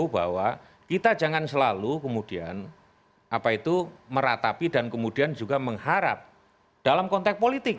bahwa kita jangan selalu kemudian meratapi dan kemudian juga mengharap dalam konteks politik